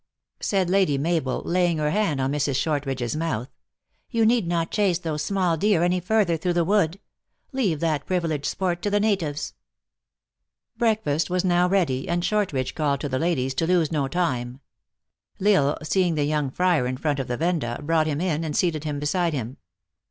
said Lady Mabel, laying her hand on Mrs. Shortridge s mouth, " you need not chase those small deer any further through the wood. Leave that priv ileged sport to the natives." Breakfast was now ready, and Shortridge called to the ladies to lose no time. L Isle, seeing the young friar in front of the venda, brought him in and seated him beside him.